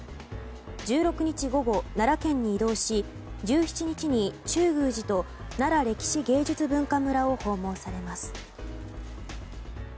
１６日午後、奈良県に移動し１７日に中宮寺となら歴史芸術文化村を訪問されます。